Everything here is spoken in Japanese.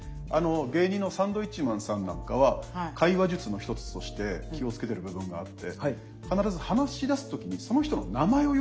芸人のサンドウィッチマンさんなんかは会話術の一つとして気を付けてる部分があって何とかさん